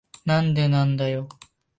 なんでなんだよ。